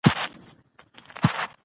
په نومونو کې سبحان دی